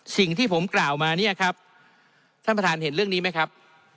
สิ่งที่ผมกล่าวมาเนี่ยครับท่านประธานเห็นเรื่องนี้ไหมครับ